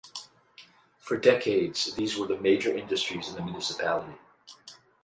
For decades these were the major industries in the municipality.